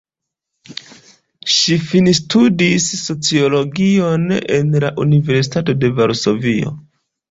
Ŝi finstudis sociologion en la Universitato de Varsovio.